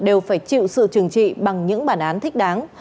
đều phải chịu sự trừng trị bằng những bản án thích đáng